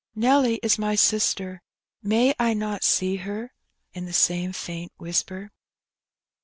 Nelly is my sister; may I not see her?" in the same faint whisper.